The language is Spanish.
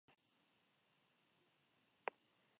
Las flores son polinizadas por las abejas.